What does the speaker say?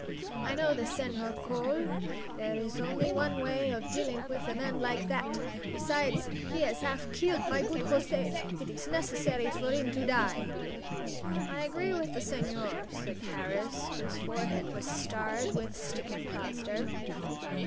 "I know this Senhor Cole. There is only one way of dilling with a man like that. Besides, he 'as 'alf keeled my good José; it is necessary for 'im to die." "I agree with the senhor," said Harris, whose forehead was starred with sticking plaster.